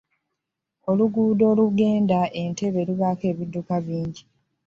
Oluguudo olugenda e Ntebe lubaako ebidduka bingi.